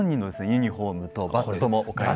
ユニフォームとバットもお借りして。